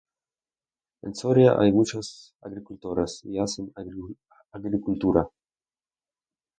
En Soria hay muchos agricultores y hacen agricultura.